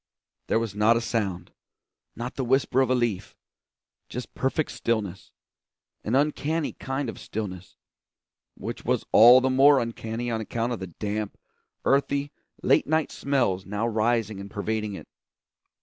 There was not a sound, not the whisper of a leaf; just perfect stillness; an uncanny kind of stillness, which was all the more uncanny on account of the damp, earthy, late night smells now rising and pervading it.